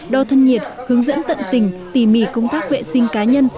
đo thân nhiệt hướng dẫn tận tình tỉ mỉ công tác vệ sinh cá nhân